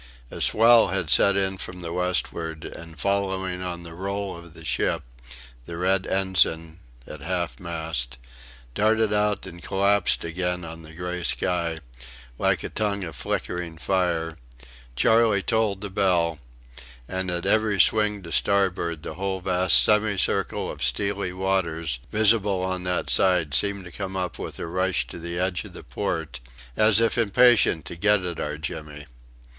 A swell had set in from the westward, and following on the roll of the ship, the red ensign, at half mast, darted out and collapsed again on the grey sky, like a tongue of flickering fire; Charley tolled the bell; and at every swing to starboard the whole vast semi circle of steely waters visible on that side seemed to come up with a rush to the edge of the port, as if impatient to get at our Jimmy.